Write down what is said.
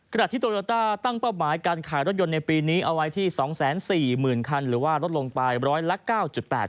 ขณะที่โตญาตาตั้งเป้าหมายการขายรถยนต์ในปีนี้เอาไว้ที่๒๔๐๐๐๐คันหรือว่ารถลงปลาย๑๐๙๘บาท